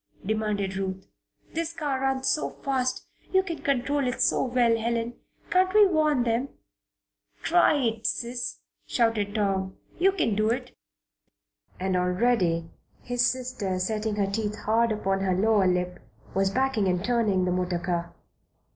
demanded Ruth. "This car runs so fast you control it so well, Helen. Can't we warn them?" "Try it, Sis!" shouted Tom. "You can do it!" And already his sister, setting her teeth hard upon her lower lip, was backing and turning the motor car.